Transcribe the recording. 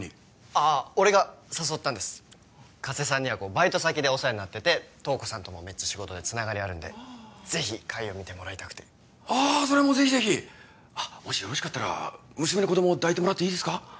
ああ俺が誘ったんです加瀬さんにはバイト先でお世話になってて瞳子さんともめっちゃ仕事でつながりあるんでぜひ海を見てもらいたくてああそれはもうぜひぜひもしよろしかったら娘の子ども抱いてもらっていいですか？